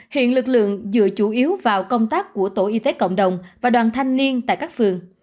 hiện lực lượng dựa chủ yếu vào công tác của tổ y tế cộng đồng và đoàn thanh niên tại các phường